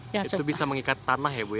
itu bisa menghidupkan tanaman kopi